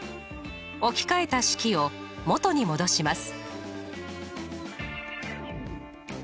置き換えた式を元に戻します。